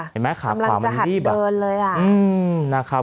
เห็นไหมค่ะความรีบ